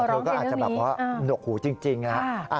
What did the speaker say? เธอก็อาจจะหนกหูจริงนะ